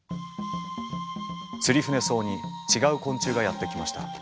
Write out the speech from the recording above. ツリフネソウに違う昆虫がやって来ました。